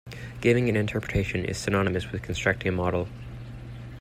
"Giving an interpretation" is synonymous with "constructing a model".